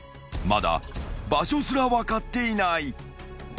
［まだ場所すら分かっていない］